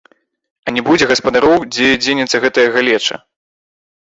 А не будзе гаспадароў, дзе дзенецца гэтая галеча?